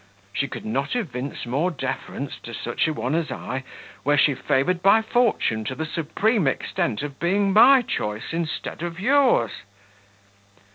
She could not evince more deference to such a one as I, were she favoured by fortune to the supreme extent of being my choice instead of yours."